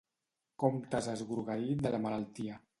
Com t'has esgrogueït de la malaltia.